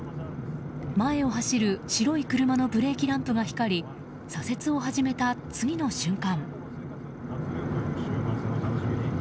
前を走る白い車のブレーキランプが光り左折を始めた次の瞬間。